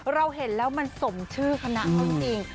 เราเห็นแล้วมันสมชื่อคณะเขาจริง